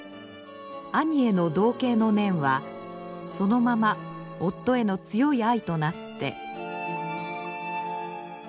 兄への憧憬の念はそのまま夫への強い愛となって。